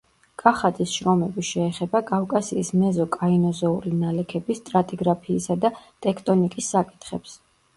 კახაძის შრომები შეეხება კავკასიის მეზო-კაინოზოური ნალექების სტრატიგრაფიისა და ტექტონიკის საკითხებს.